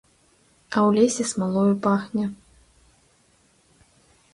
А ў лесе смалою пахне.